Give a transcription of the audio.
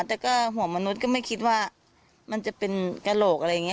แต่ก็หัวมนุษย์ก็ไม่คิดว่ามันจะเป็นกระโหลกอะไรอย่างนี้